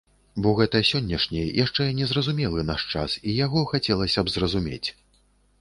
Бо гэта сённяшні, яшчэ незразумелы наш час, і яго хацелася б зразумець.